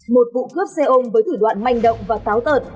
một vụ cướp xe ôm với thủ đoạn manh động và táo tợn